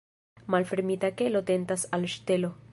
Malfermita kelo tentas al ŝtelo.